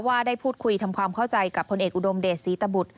ได้พูดคุยทำความเข้าใจกับพลเอกอุดมเดชศรีตบุตร